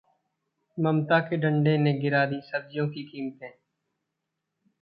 ममता के डंडे ने गिरा दी सब्जियों की कीमतें